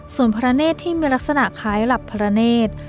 ส่วนพระเนธที่มีลักษณะคล้ายหลับพระเนธ